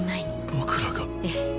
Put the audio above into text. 僕らが？ええ。